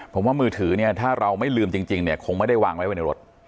ผมว่ามือถือเนี่ยถ้าเราไม่ลืมจริงเนี่ยคงไม่ได้วางไว้ไว้ในรถ